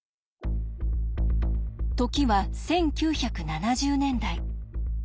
時は１９７０年代。